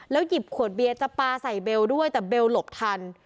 หยิบขวดเบียร์จะปลาใส่เบลด้วยแต่เบลหลบทัน